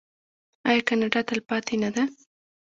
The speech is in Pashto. آیا کاناډا تلپاتې نه ده؟